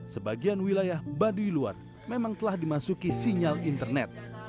sebagian wilayah baduy luar memang telah dimasuki sinyal internet